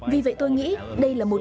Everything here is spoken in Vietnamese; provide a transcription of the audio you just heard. vì vậy tôi nghĩ đây là một lợi ích